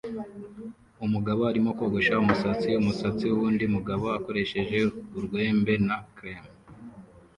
Umugabo arimo kogosha umusatsi umusatsi wundi mugabo akoresheje urwembe na cream